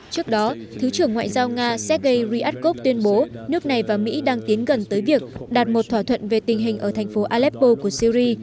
trước đó thứ trưởng ngoại giao nga sergei ryakov tuyên bố nước này và mỹ đang tiến gần tới việc đạt một thỏa thuận về tình hình ở thành phố aleppo của syri